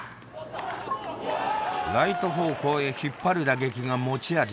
ライト方向へ引っ張る打撃が持ち味だった田中。